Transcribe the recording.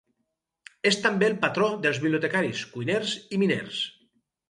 És també el patró dels bibliotecaris, cuiners i miners.